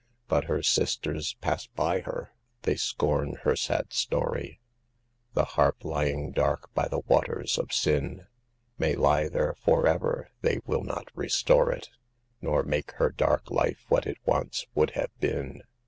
But her sisters pass by her —they scorn her sad story ; The harp lying dark by the waters of sin May lie there forever; they will not restore it, Nor make her dark life what it once would have been 232 SAVE THE GIRLS.